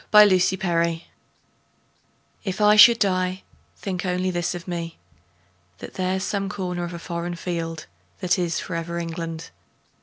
The Soldier If I should die, think only this of me: That there's some corner of a foreign field That is for ever England.